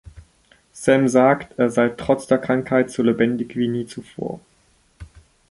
Sam sagt, er sei trotz der Krankheit so lebendig wie nie zuvor.